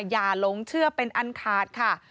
อย่าลงเชื่อเป็นอันคาร์ดค่ะ